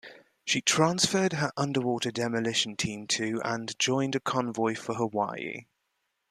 She transferred her underwater demolition team to and joined a convoy for Hawaii.